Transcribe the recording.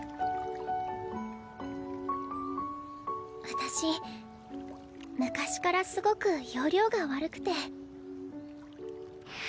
私昔からすごく要領が悪くて。